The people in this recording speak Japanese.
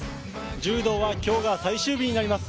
柔道は今日が最終日になります。